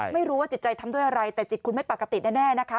ไม่รู้ว่าจิตใจทำด้วยอะไรแต่จิตคุณไม่ปกติแน่นะคะ